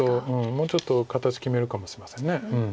もうちょっと形決めるかもしれません。